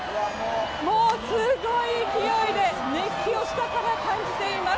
もうすごい勢いで熱気を下から感じています。